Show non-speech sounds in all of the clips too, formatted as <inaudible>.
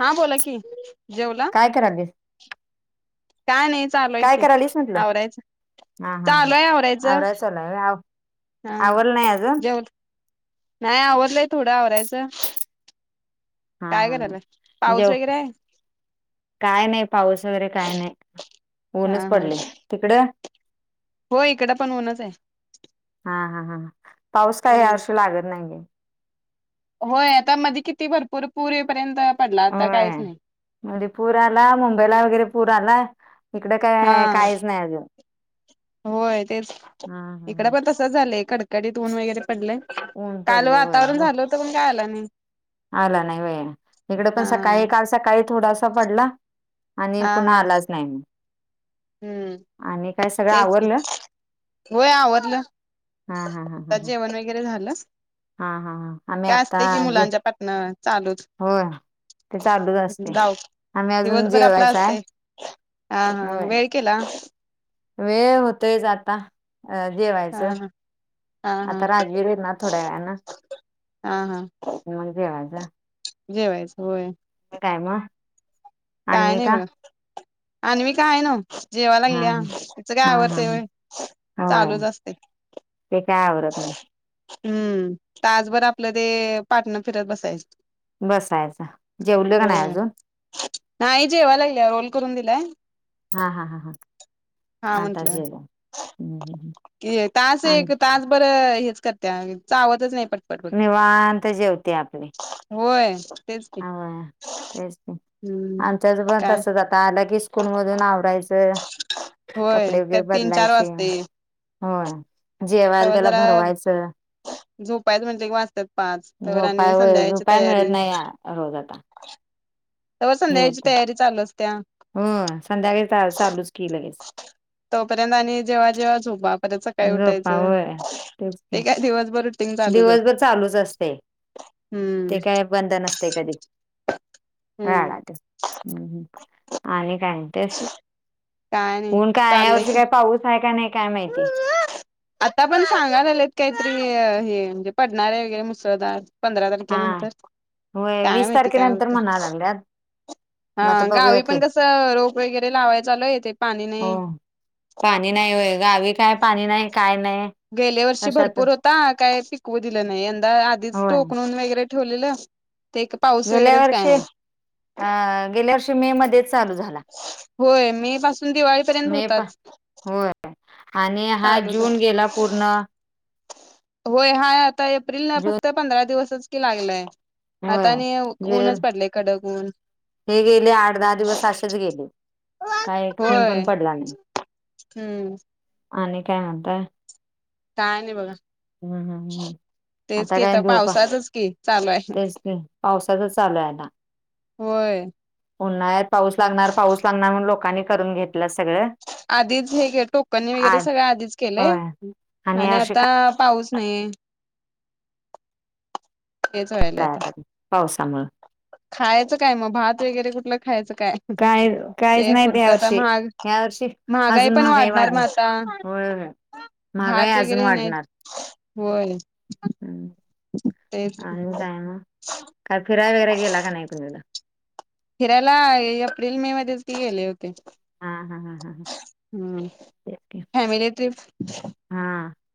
हा बोला कि जेवला? काय करालीस काय नाही चालूय काय की करालीस म्हटलं आवरायचं हा हा हा चालूय आवरायचं. आवराय चालू आहे व्हय हा आवरल नाही अजून जेवला नाही आवरलय थोडं आवरायचं हा काय हा करायला हा पाऊस जेव वगैरे आहे काय नाही पाऊस वगैरे काय नाही ऊनच हा हा पडलंय. तिकडं? हो इकडं पण ऊनच आहे. हा हा हा पाऊस काय ह्या हम्म वर्षी लागतं नाही गे. होय आता मधे किती भरपूर पुर येईपर्यंत पडला आता काहीच होय नाही. मध्ये पूर आला मुंबईला वगैरे पूर आला. इकडें का हा काहीच नाही अजून होय तेच हम्म इकडे हम्म पण झालंय कडकडीत ऊन वगैरे पडलं ऊन काल पडलय होय वातावरण झालं होतं पण काय आलं नाही. आला नाही व इकडे पण हा सकाळी काल सकाळी थोडासा पडला. आणि हा पुन्हा हा आलाच नाही मग हम्म आणि काय सगळं तेच कि आवरलं होय आवरलं. हा हा हा हा आताच जेवण वगैरे झालं. हा हा हा आम्ही काय आता असते कि जे मुलांच्या पाटनं चालूच. होय ते चालूच असते जाऊ आम्ही अजून दिवसभर आपला जेवायचं आहे असतंय हा हा होय वेळ वेळ केला? वेळ होतयच आता अ हा जेवायचं हा हा हा आता राजवीर ना थोड्या वेळाना आ हा, म्हणजे माझा जेवायचं होय. काय म? काय नाही बघा, आण्विका हाय नव्हं. हा जेवालागल्या तिचं काय हा हा आवरतय हा व्हय होय चालूच असतय. ते काय आवरडत नाही. हम्म तासभर आपलं ते पाटण फिरत बसाय बसायचं जेवलं का नाय आजून? नाही जेवा लागल्या रोल करून दिलाय, हा हा हा हा, आता जेव हुं हुं, की तास एक तास बर हेच करत्या चावतच नाही पट नीवांत जेवत्या आपली. होय तेच की तेच की हम्म आमच्यात पण काय तसंच आता आल की स्कूल मधून आवरायचं, होय कपडे वगैरे त्यात तीन चार बदलायचे, वाजतय होय जेवायला तवा त्याला जरा भरवायचं, झोपायच म्हणल की वाजत्यात पाच तव्हर झोपाय आणि व संध्याकाळची झोपाय मिळत तयारी, नाही रोज आता तव्हा हे संध्याकाळची होत. तयारी चालू असत्या. हो संध्याकाळी चालूच की लगेच तोपर्यंत आणि जेवा जेवा झोपा परत सकाळी झोपा उठायचं होय. तेच ते की काय दिवसभर रुटीन चालूच असतं दिवसभर चालूच असते, ते हम्म काय बंद नसतय कधी. हा ते हुं हुं आणि काय तेच काय नाही ऊन काय या चाललंय वर्षी की काय पाऊस हाय काय नाही काय माहिती? आता पण सांगालागलेय काहीतरी हे म्हणजे पडणार आहे वगैरे मुसळधार. पंधरा हा. तारखेनंतर, होय काय वीस माहिती काय तारखेनंतर होते? म्हणा लागल्यात मग आता हा बघूया गावी की पण कसं रोप वगैरे लावाय चालोय इथे पाणी हो. नाही. पाणी नाही, होय गावी काय पाणी नाही काय नाही. गेल्या वर्षी कशात भरपूर होता काय पिकवू दिलं नाही, यंदा आधीच होय. टोकणून वगैरे ठेवलेलं ते पाऊस गेल्या वगैरेच काय वर्षी नाही अ गेल्या वर्षी मे मध्येच चालू झाला. होय मे पासून दिवाळीपर्यंत मे पा होताचं. होय आणि हा जून गेला पूर्ण होय हा आता एप्रिल ला जून फक्त पंधरा दिवसच कि लागलाय. व्हय आता आणि ऊनच <unintelligible> पडले कडक ऊन हे गेले आठ दहा दिवस आसेच गेले. काही एक थेंब पण पडला नाही. हुं आणि काय म्हणता? काय नाही बघा. हा हा हा हा, तेच आता की काय झोपा पावसाचच की चालू आहे तेच की पावसाच चालू आहे आता होय. उन्हाळ्यात पाऊस लागणार पाऊस लागणार म्हणून लोकांनी करून घेतलं सगळं, आधीच हे के टोकनी वगैरे आज सगळं आधीच केलंय, होय आणि आता पाऊस नाही. तेच व्हायलय आता. पावसामुळ खायचं काय मग भात वगैरे कुठलं खायचं काय. काहीच ते नाही पुढच तर यावर्षी महाग ह्या वर्षी महागाई अजून पण वाढणार म वाढली आता. होय होय महागाई भात अजून वगैरे नाही होय. हम् ते आणि काय मग काय फिराय वगरे गेला का नाही तुम्ही लोग. फिरायला एप्रिल मे मध्येच की गेले होते. हा हा हा हा हा हम्म तेच की. Family trip. हा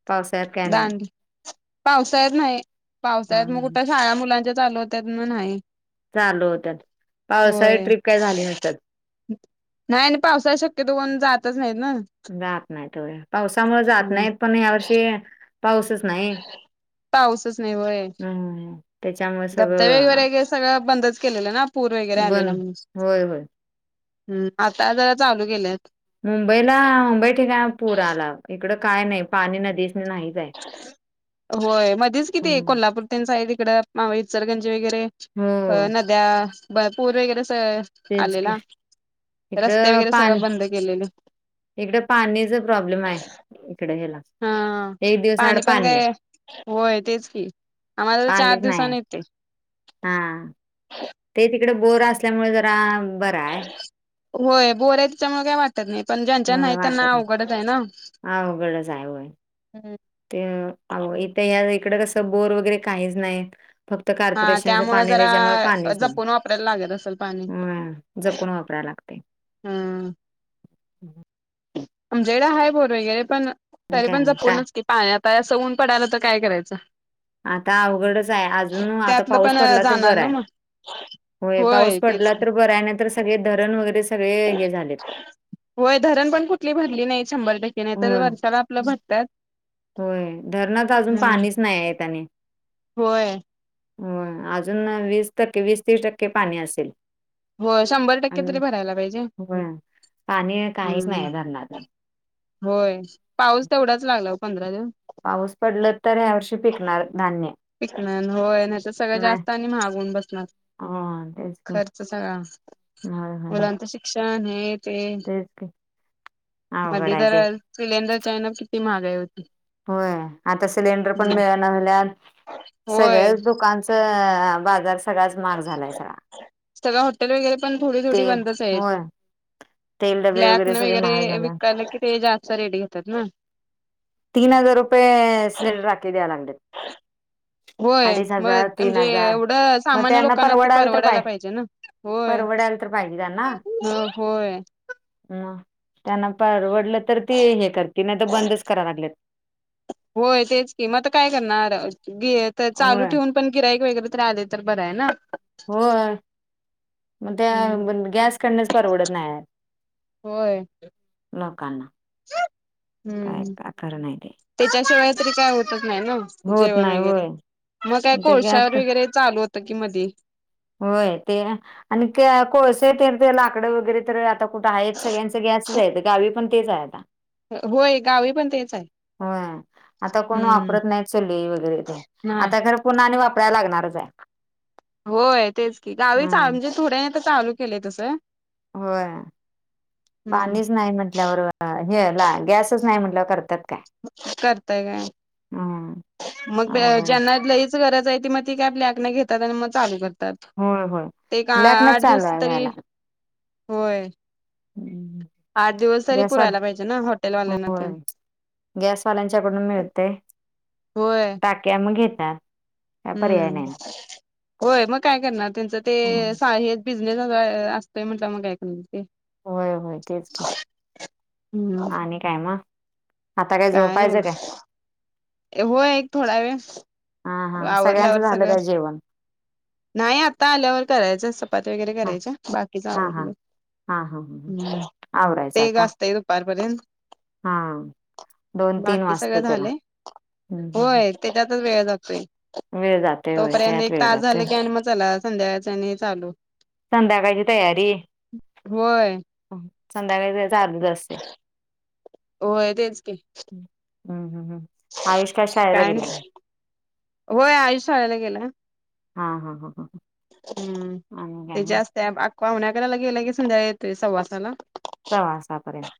पावसाळ्यात काही नाही. दांडी पावसाळ्यात नाही हा पावसाळ्यात मग कुठे शाळा मुलांच्या चालू होत्यात म नाही. चालू होत्यात, पावसाळी होय ट्रीप काय झाली नसत. नाही आणि पावसात शक्यतो कोन जातच नाहीत ना. जात नाही होत पावसामुळे जात हम्म नाहीत पण ह्या वर्षी पाऊसच नाही. पाऊसच नाही वय हम्म त्याच्यामुळे धबधबे सगळं वैगरे सगळं बंदच केलेलं ना, पूर वगैरे बंद होय होय. हम् आता जरा चालू केेलेत. मुंबईला मुंबई ठिकाण पुरा आला इकड काय नाही पाणी नदीच नाही. होय मध्येच किती कोल्हापूर त्यां साइड इकडं मा इचलंकरंजी वगैरे अ हो नद्या, पूर वगैरे कस तेच की. आलेला. रस्ते इकडं वगैरे पा सगळं बंद केलेले इकडं पाणीच प्रॉब्लेम आहे. इकडे हेला. हा पाणी पण काय होय तेच की आम्हाला तर चार पाणीच नाही दिवसानी येते. हा ते तिकडे बोर असल्यामुळे जरा बरं आहे. होय बोर आहे त्याच्यामुळे काय वाटत नाही पण ज्यांच्या होय नाही त्यांना वाटत नाही अवघडच आहे ना. अवघडच आहे होय ते इथ या इकडं कसं बोर वगैरे काहीच नाही. फक्त हा कार्पोरेशनच त्यामुळं पाणी त्या्च्यामुळे जरा पाणीच नाही, जपून वापरायला लागत असेल पाणी हम जपून वापरायला लागते. हम्म. ह आमच्या कडे आहे बोर वगैरे पण आणि तरी काय पण म्हणता जपूनच की पाणी आतां ऊन पडायला तर काय करायचं. आता अवघडच आहे अजून आता त्यातलं पाऊस पण पडला तर जाणार बर ना आहे. मग होय पाऊस पडला तर बर आहे नंतर सगळे धरण वगैरे सगळे हे झालेत. होय धरण पण कुठली भरली नाही शंभर टक्के नाही तर वर्षाला हो आपलं भरत्यात. होय धरणात अजून पाणीच नाही आहे त्याने होय हो अजून वीस टक्के वीस तीस टक्के पाणी असेल. हो शंभर टक्के आणि तरी भरायला पाहिजे. होय. पाणी काहीच नाही हम्म धरणात होय पाऊस तेवढाच लागला पंधरा दिवस पाऊस पडल तर ह्यावर्षी पिकणार धान्य पिक होय नाही तर सगळ जास्त आणि महाग हुन बसणार. हा तेच तर सगळं पोरांच शिक्षण हे ते तेच की अवघड मध्ये आहे तर ते. सिलेंडर चान किती महागाई होती. होय आता सिलेंडर पण हम्म मिळान झाल्यात होय सगळ्याच दुकान तर बाजार सगळाच महाग झालाय सगळा सगळ हॉटेल वगैरे पण थोडी थोडी तेल बंदच आहेत. होय, तेल डबे ब्लॅक सगळे वगैरे महाग झाल्यात. विकलं कि ते जास्त रेडी होेतात ना. तीन हजार रुपये सिलें राखी द्यायला लागतयात. होय मग तीन म्हणजे हजार एवढं मग सामान्य त्यांना लोकांना तर परवडाल परवडायला पाहिजे ना. होय परवडाल तर पाहिजे होय होय‌. ह त्यांना परवडलं तर ती हे कर त नाही तर बंदच करा लागलेत. होय तेच की मता काय करणार चालू होय ठेवून पण गिराईक वगैरे तर राह तर बरं आहे ना. होय. मग हम्म. त्या गॅस करनच परवडत नाय. होय लोकांना काय हम्म खर नाही ते त्याच्याशिवाय तरी काय होतच नाही ना. होत जेवण नाही वगैरे होय मग काय ते गॅस कोळश्यावर वगैरे चालू होतं की मधी होय ते आणि कोळसे तर ते लाकड वगैरे तर आता कुठं आहेत सगळ्यांच गॅसच आहे गावी पण तेच आहे आता. होय गावी पण तेच आहे. होय आता कोण हम्म. वापरत नाही. वगे वैगेरे नाही आता खर पुन्हा वापराला लागणारच हाय. होय तेच की गावी चा म्हणजे थोड्या चालू केलंय तसं होय, हम्म. पाणीच नाही म्हटल्यावर हे गॅसच नाही म्हटलं करतात काय? करताय काय? हम्म मग अवघड आहे ज्यांना लईच गरज आहे त मग ती काय बालक नाही घेतात आणि मग चालू करत होय होय ते एक ब्लॅकनच आठ चालू दिवस आहे तरी, घ्यायला होय आठ दिवस तरी गॅसवाल पुरायला पाहिजे ना हॉटेल वाल्यांना. होय गॅसवाल्यांच्याकडून मिळतय होय टाक्या मग घेतात. काय पर्याय हम्म नाही होय मग काय करणार त्यांचं ते सा हे बिझनेस असतोय म्हणता मग कायक ते होय होय तेच की, हम्म आणि काय मग? आता काय नाही झोपायचं बघा काय? होय एक थोडा हा वेळ हा सगळ्यांचं आवरल्यावर झालं सगळं. काय जेवण नाही आत्ता आल्यावर करायचं चपाती वगैरे हा करायच्या बाकीच हा हा आवरलय. हा हा ह् आवरायचं ते ग आता असतय दुपारपर्यंत. हा दोन तीन बाकी वाजता सगळं त्याला झालय. हम्म हम्म, होय त्याच्यातच वेळ जातोय वेळ जातोय होय तोपर्यंत त्यात एक वेळ तास झाला जातोय की आणि मग चला. संध्याकाळच आणि चालू. संध्याकाळची तयारी, होय संध्याकाळी <unintelligible> <unintelligible> होय तेच की हम्म हम् हम्म आयुष‌ काय शाळेला गेल्याय. होय आयुष शाळेला गेलाय. हा हा हा हा हम्म आणि काय मग त्याच्या असते आ पावशे अकरा गेला की संध्याकाळी येतोय सव्वासाला. सवासापर्यंत.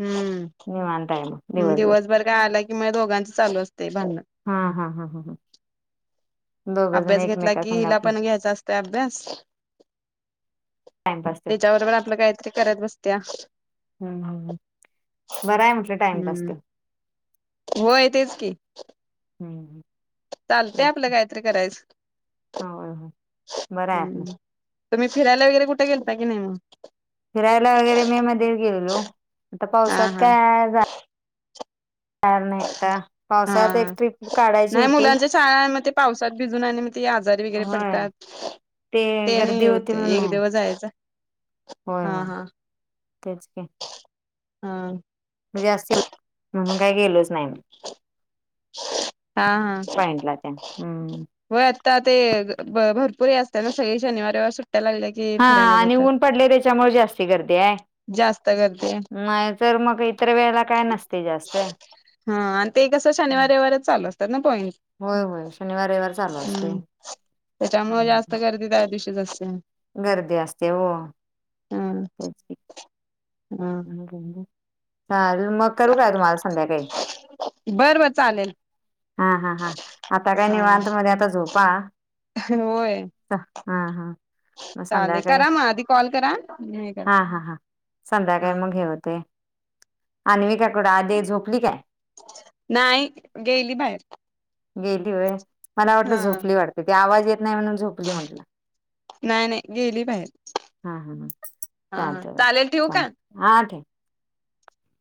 हम्म दिवसभर काय आला कि म दोघांच चालू असते भांडण. हा हा हा हा हा दोघं जण अभ्यास घेतला एकमेका कि संग हिला आपला पण घ्यायचा असत अभ्यास टाइमपास तो. त्याच्यावररो पण आपलं काहीतरी करत बसत्या. बरं आहे म्हटलं टाइमपास हम्म तर होय तेच की. हम्म. चालते तेच आपलं की. काहीतरी करायचं. होय होय बरं आहे आपलं हम्म. तुम्ही फिरायला वगैरे कुठे गेलता की नाही मग फिरायला वगैरे मे मध्ये गेलो आता हा पावसात हा काय का नाही आता पावसाळ्यात हा एक ट्रिप काढायची नाही होती. मुलांच्या शाळा आहे म ते पावसात भिजून ते आजारी वगैरे होय पडतात ते नाही गर्दी होती होते म्हणून एक नाही. दिवस जायच होय होय तेच का हा. जास्त म्हणून काही गेलोच नाही. हा हा. पॉइंटला त्या. हम्म. हो आता ते भरपूर असते ना सगळे शनिवारी सुट्ट्या लागल्या. की हा फिरायला आणि जातात ऊन पडले त्याच्यामुळे जास्ती गर्दी आहे. जास्त गर्दी नाही तर मग इतर वेळेला काय नसते जास्त. हा आणि ते कसं शनिवार रविवारच चालू असतात ना पॉईंट होय होय शनिवार रविवार चालू असते. त्याच्यामुळे जास्त गर्दी त्या दिवशी असते. गर्दी असते हो. हम् हम. मग करू काय तुम्हाला संध्याकाळी. बर बर चालेल. हा हा हां आता काय हा निवांत मध्ये आता झोपा. होय. हा हा मग चालेल संध्याकाळी करा मग आधी कॉल करा हे करा हा हा हा. हा संध्याकाळी मग हे होतंय अंविका कुठे आधी झोपली काय? नाही गेली बाहेर. गेली होय मला वाटलं हा झोपली वाटते ती आवाज येत नाही म्हणून झोपली म्हटल. नाही नाही गेली बाहेर हा हा हा हा चालतंय चालतंय चालेल ठेव सांग का? हा का.